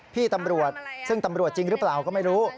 พี่ตำรวจซึ่งตำรวจจริงหรือเปล่าก็ไม่รู้